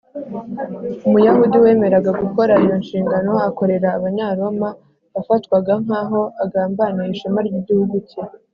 umuyahudi wemeraga gukora iyo nshingano akorera abanyaroma yafatwaga nk’aho agambaniye ishema ry’igihugu cye